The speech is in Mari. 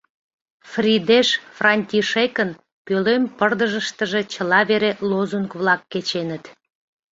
Фридеш Франтишекын пӧлем пырдыжыштыже чыла вере лозунг-влак кеченыт.